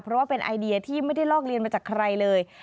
เพราะว่าเป็นไอเดียที่ไม่ได้ลอกเรียนมาจากใครเลย